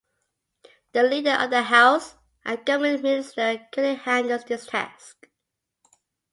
The Leader of the House, a Government minister, currently handles this task.